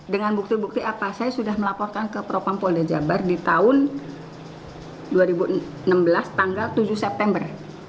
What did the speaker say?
dengan bukti bukti apa saya sudah melaporkan ke propam polda jabar di tahun dua ribu enam belas tanggal tujuh september